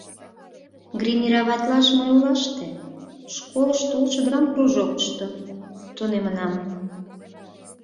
Гримироватлаш мый олаште, школышто улшо драмкружокышто, тунемынам.